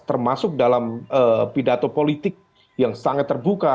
termasuk dalam pidato politik yang sangat terbuka